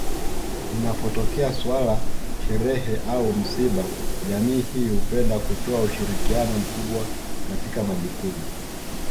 Inapotokea suala sherehe au misiba jamii hii hupenda kutoa ushirikiano mkubwa katika majukumu